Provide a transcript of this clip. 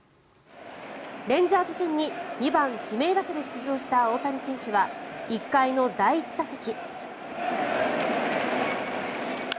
レンジャーズ戦に２番指名打者で出場した大谷選手は１回の第１打席。